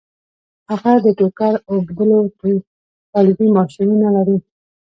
هغه د ټوکر اوبدلو تولیدي ماشینونه لري